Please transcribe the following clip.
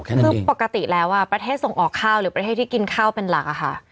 แค่นั้นเองคือปกติแล้วอ่ะประเทศส่งออกข้าวหรือประเทศที่กินข้าวเป็นหลักอ่ะค่ะ